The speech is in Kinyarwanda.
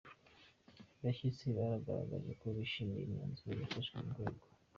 bashyitsi baragaragaje ko bishimiye imyamzuro yafashwe mu rwego